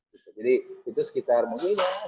jadi itu sekitar mungkin ya